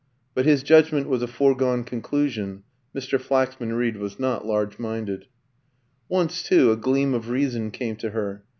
But his judgment was a foregone conclusion; Mr. Flaxman Reed was not large minded. Once, too, a gleam of reason came to her.